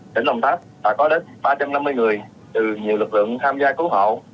tỉnh đồng tháp đã có đến ba trăm năm mươi người từ nhiều lực lượng tham gia cứu hộ